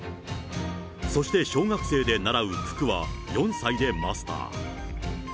そして、小学生で習う九九は４歳でマスター。